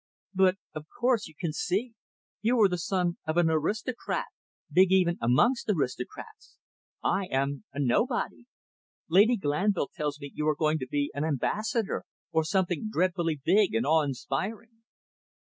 "But, of course, you can see. You are the son of an aristocrat, big even amongst aristocrats. I am a nobody. Lady Glanville tells me you are going to be an ambassador, or something dreadfully big and awe inspiring."